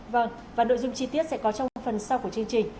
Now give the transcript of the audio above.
vâng và nội dung chi tiết sẽ có trong phần sau của chương trình